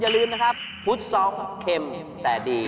อย่าลืมนะครับฟุตซอลเข็มแต่ดี